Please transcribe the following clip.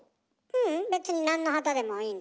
ううん別になんの旗でもいい？